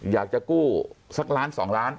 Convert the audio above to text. อยากจะกู้สักล้าน๒ล้าน